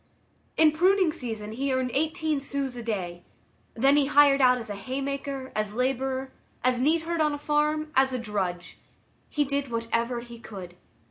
In pruning season he earned eighteen sous a day; then he hired out as a hay maker, as laborer, as neat herd on a farm, as a drudge. He did whatever he could.